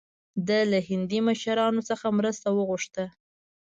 ده له هندي مشرانو څخه مرسته وغوښته.